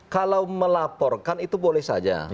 kalau melaporkan itu boleh saja